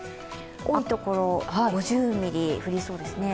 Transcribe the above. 多いところ５０ミリ降りそうですね。